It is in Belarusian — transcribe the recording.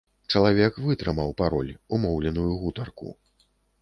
Чалавек вытрымаў пароль, умоўленую гутарку.